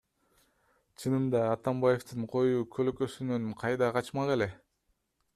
Чынында Атамбаевдин коюу көлөкөсүнөн кайда качмак эле?